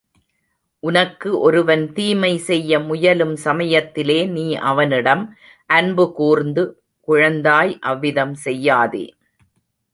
உனக்கு ஒருவன் தீமை செய்ய முயலும் சமயத்திலே நீ அவனிடம் அன்புகூர்ந்து, குழந்தாய், அவ்விதம் செய்யாதே.